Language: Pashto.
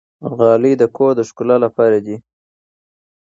غالۍ د کور د ښکلا لپاره دي.